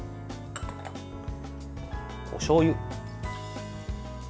おしょうゆ。